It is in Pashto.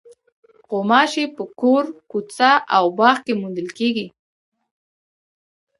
غوماشې په کور، کوڅه او باغ کې موندل کېږي.